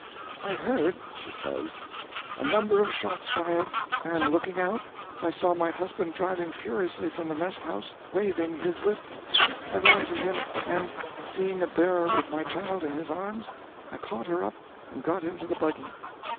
'I heard,' she says, 'a number of shots fired, and, looking out, I saw my husband driving furiously from the mess house, waving his whip. I ran to him, and, seeing a bearer with my child in his arms, I caught her up, and got into the buggy.